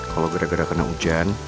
kalau gara gara kena hujan